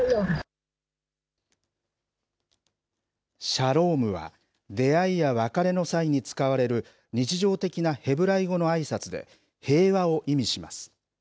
シャロームは、出会いや別れの際に使われる日常的なヘブライ語のあいさつで、平和を意味します。